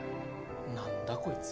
何だこいつ